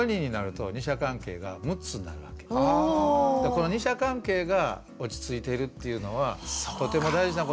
この二者関係が落ち着いてるっていうのはとても大事なことなんです。